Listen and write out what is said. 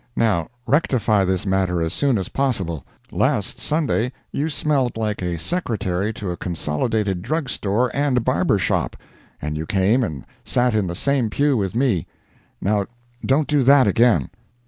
Now, rectify this matter as soon as possible; last Sunday you smelled like a secretary to a consolidated drug store and barber shop. And you came and sat in the same pew with me; now don't do that again.